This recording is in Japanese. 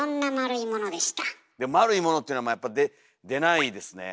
いや「丸いもの」っていうのはやっぱ出ないですねえ